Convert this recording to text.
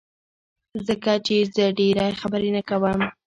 ځکه چي زه ډيری خبری نه کوم